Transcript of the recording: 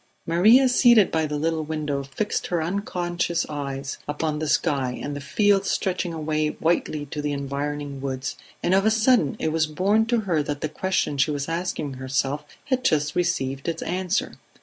Maria seated by the little window fixed her unconscious eyes upon the sky and the fields stretching away whitely to the environing woods, and of a sudden it was borne to her that the question she was asking herself had just received its answer.